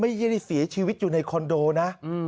มะเย่นดีทีสีชีวิตอยู่ในคอนโดนะ